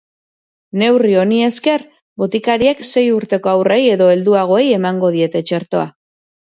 Neurri honi esker, botikariek sei urteko haurrei edo helduei emango diete txertoa.